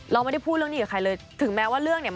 เราไม่ได้พูดเรื่องนี้กับใครเลยถึงแม้ว่าเรื่องเนี่ย